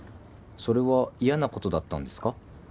それは嫌なことだったんですか？